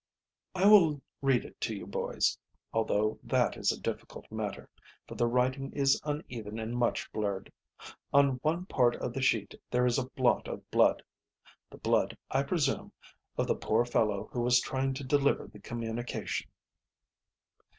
"I will read it to you, boys, although that is a difficult matter, for the writing is uneven and much blurred. On one part of the sheet there is a blot of blood the blood, I presume of the poor fellow who was trying to deliver the communication."